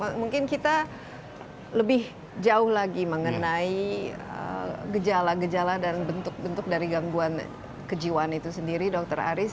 baik mungkin kita lebih jauh lagi mengenai gejala gejala dan bentuk bentuk dari gangguan kejiwaan itu sendiri dr aris